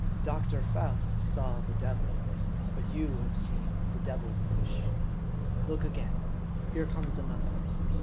Doctor Faust saw the devil ; but you have seen the " Devil Fish." Look again ! Here comes another.